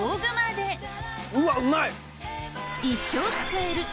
うわうまい！